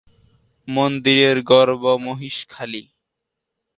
মন্দিরের গর্ব মহিষ খালি।